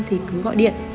thì cứ gọi điện